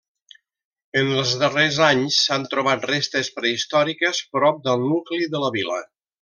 En els darrers anys s'han trobat restes prehistòriques prop del nucli de la vila.